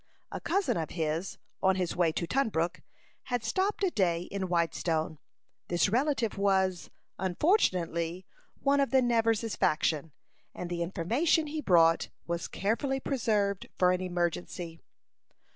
A cousin of his, on his way to Tunbrook, had stopped a day in Whitestone. This relative was, unfortunately, one of the Nevers' faction, and the information he brought was carefully preserved for an emergency.